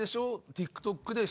ＴｉｋＴｏｋ。